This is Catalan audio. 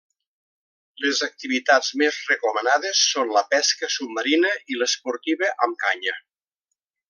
Les activitats més recomanades són la pesca submarina i l'esportiva amb canya.